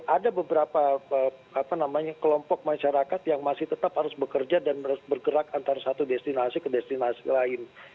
ada beberapa kelompok masyarakat yang masih tetap harus bekerja dan bergerak antara satu destinasi ke destinasi lain